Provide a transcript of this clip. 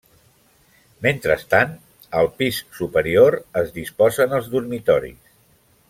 Mentrestant, al pis superior es disposen els dormitoris.